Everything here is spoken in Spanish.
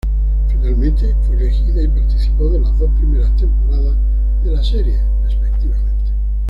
Finalmente fue elegida y participó de las dos primeras temporadas de la serie respectivamente.